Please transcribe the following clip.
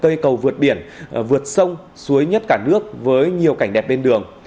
cây cầu vượt biển vượt sông suối nhất cả nước với nhiều cảnh đẹp bên đường